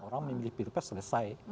orang memilih pilih press selesai